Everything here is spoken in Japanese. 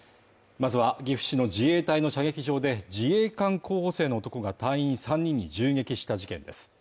まずは岐阜市の自衛隊の射撃場で自衛官候補生の男が隊員３人に銃撃した事件です。